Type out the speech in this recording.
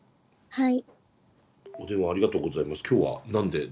はい。